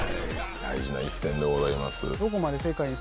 大事な１戦でございます。